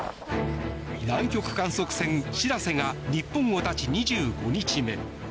南極観測船「しらせ」が日本を発ち２５日目。